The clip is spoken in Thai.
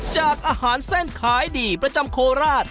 จากอาหารเส้นขายดีประจำโคราช